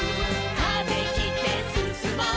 「風切ってすすもう」